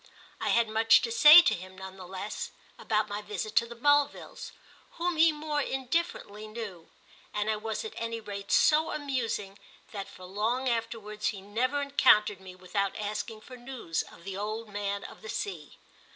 I had much to say to him, none the less, about my visit to the Mulvilles, whom he more indifferently knew, and I was at any rate so amusing that for long afterwards he never encountered me without asking for news of the old man of the sea.